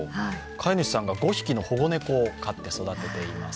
飼い主さんが５匹の保護猫を飼って育てています。